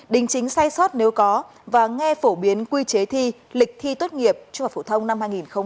đính chính sai sót nếu có và nghe phổ biến quy chế thi lịch thi tốt nghiệp trung học phổ thông năm hai nghìn hai mươi